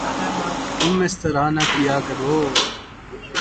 تم اس طرح نہ کیا کرو